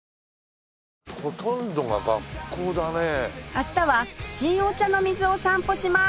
明日は新御茶ノ水を散歩します